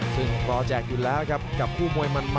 ซึ่งรอแจกอยู่แล้วครับกับคู่มวยมัน